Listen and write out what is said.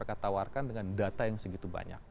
apa yang kpk tawarkan dengan data yang segitu banyak